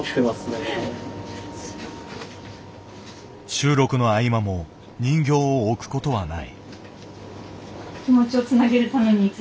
収録の合間も人形を置くことはない。